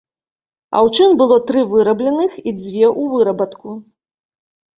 Аўчын было тры вырабленых і дзве ў вырабатку.